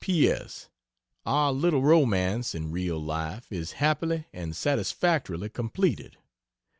P. S. Our little romance in real life is happily and satisfactorily completed.